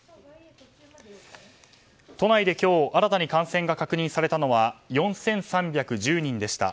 都内で今日新たに感染が確認されたのは４３１０人でした。